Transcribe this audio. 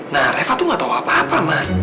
nah reva tuh gak tau apa apa mbak